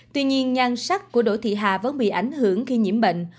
tuy nhiên nhan sắc của đỗ thị hà vẫn bị ảnh hưởng khi nhiễm bệnh